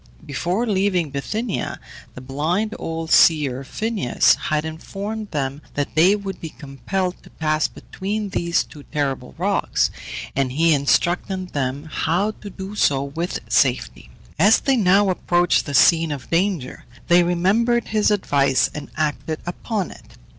Before leaving Bithynia, the blind old seer, Phineus, had informed them that they would be compelled to pass between these terrible rocks, and he instructed them how to do so with safety. As they now approached the scene of danger they remembered his advice, and acted upon it.